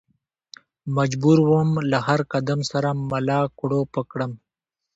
مجبور ووم له هر قدم سره ملا کړوپه کړم.